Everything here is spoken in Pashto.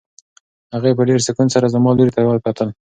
هغې په ډېر سکون سره زما لوري ته وکتل.